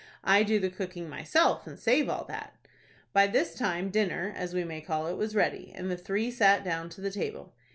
"I do the cooking myself, and save all that." By this time dinner, as we may call it, was ready, and the three sat down to the table.